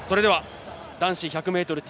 男子１００ｍＴ